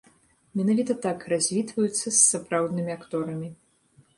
Менавіта так развітваюцца з сапраўднымі акторамі.